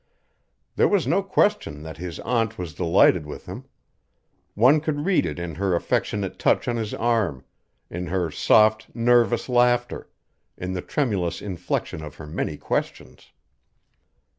There was no question that his aunt was delighted with him. One could read it in her affectionate touch on his arm; in her soft, nervous laughter; in the tremulous inflection of her many questions.